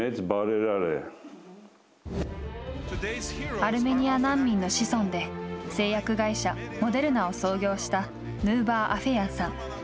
アルメニア難民の子孫で製薬会社、モデルナを創業したヌーバー・アフェヤンさん。